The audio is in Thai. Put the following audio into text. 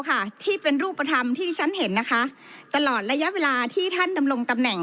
ค่ะที่เป็นรูปธรรมที่ฉันเห็นนะคะตลอดระยะเวลาที่ท่านดำรงตำแหน่ง